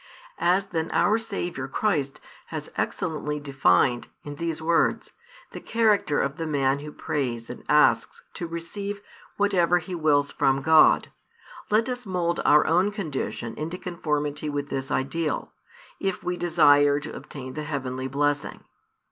As then our Saviour Christ has excellently defined, in these words, the character of the man who prays and asks to receive whatever he wills from God, let us mould our own condition into conformity with this ideal, if we desire to obtain the heavenly blessing.